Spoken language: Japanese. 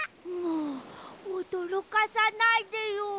もうおどろかさないでよ。